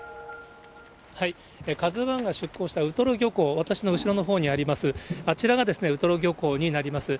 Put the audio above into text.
まずはウトロ漁港から最新情カズワンが出港したウトロ漁港、私の後ろのほうにあります、あちらがウトロ漁港になります。